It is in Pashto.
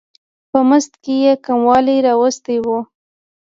په مزد کې یې کموالی راوستی و.